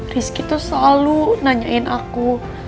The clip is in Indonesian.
rizky itu selalu nanyain aku